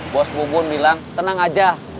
bos bubun bilang tenang aja